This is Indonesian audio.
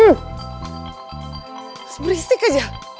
masih berisik aja